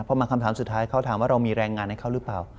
พอมาคำถามสุดท้ายเขาถามว่าเรามีแรงงานให้เขาหรือเปล่า